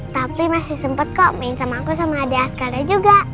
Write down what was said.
tapi masih sempat kok main sama aku sama adik askarnya juga